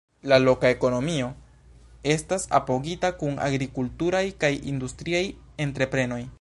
La loka ekonomio estas apogita kun agrikulturaj kaj industriaj entreprenoj.